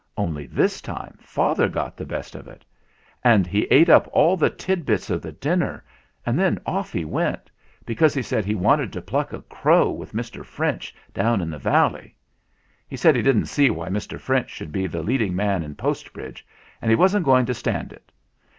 Only this time father got the best of it. And he ate up all the tid bits of the dinner, and then off he went, because he said he wanted to pluck a crow with Mr. French down in the valley. He said he didn't see why Mr. French should be the leading man in Postbridge, and he wasn't going to stand it.